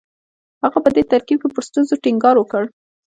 هغه په دې ترکیب کې پر ستونزو ټینګار وکړ